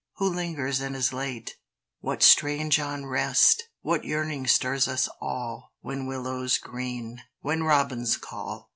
Who lingers and is late? What strange unrest, what yearning stirs us all When willows green, when robins call?